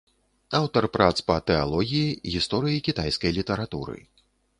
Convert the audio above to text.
Аўтар прац па тэалогіі, гісторыі кітайскай літаратуры.